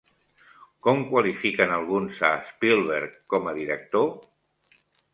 Com qualifiquen alguns a Spielberg com a director?